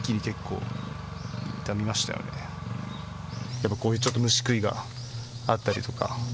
やっぱりこういうちょっと虫食いがあったりとか。